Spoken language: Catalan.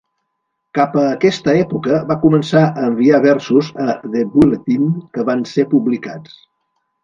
Cap a aquesta època va començar a enviar versos a The Bulletin, que van ser publicats.